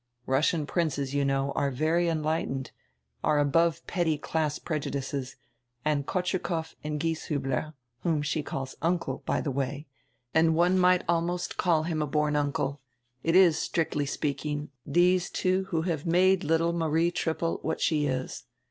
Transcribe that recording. Russian Princes, you know, are very enlightened, are above petty class prejudices, and Kotschukoff and Gieshiihler — whom she calls uncle, by die way, and one might almost call him a born uncle — it is, stricdy speaking, diese two who have made little Marie Trippel what she is.